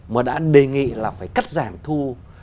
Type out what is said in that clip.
mà đã đề nghị là phải cắt giảm thu